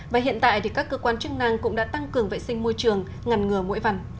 và hiện tại các cơ quan chức năng cũng đã tăng cường vệ sinh môi trường ngăn ngừa mũi vằn